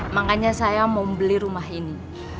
makanya saya mau beli rumah ini